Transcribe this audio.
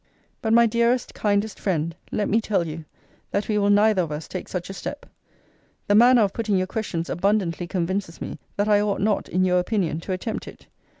But, my dearest, kindest friend, let me tell you, that we will neither of us take such a step. The manner of putting your questions abundantly convinces me, that I ought not, in your opinion, to attempt it.